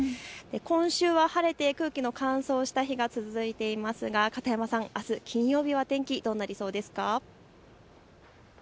今週は晴れて空気の乾燥した日が続いていますが片山さん、あす金曜日は天気、どうなりそうですか。